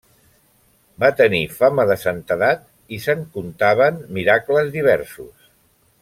Va tenir fama de santedat i se'n contaven miracles diversos.